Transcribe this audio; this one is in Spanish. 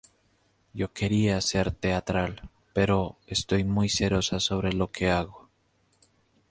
Yo quería ser teatral, pero estoy muy serosa sobre lo que hago.